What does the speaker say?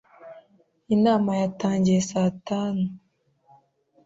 Inama yatangiye saa tanu.